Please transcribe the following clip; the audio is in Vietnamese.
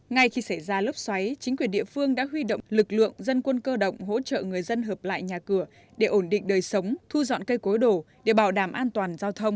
ngay khi xảy ra lốc xoáy chính quyền địa phương đã huy động lực lượng dân quân cơ động hỗ trợ người dân hợp lại nhà cửa để ổn định đời sống thu dọn cây cối đổ để bảo đảm an toàn giao thông